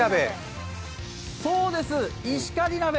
そうです、石狩鍋。